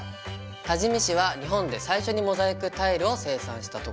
多治見市は日本で最初にモザイクタイルを生産したところ。